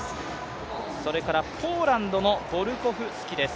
それからポーランドのボルコフスキです。